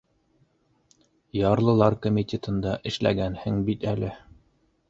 Ярлылар комитетында эшләгәнһең бит әле.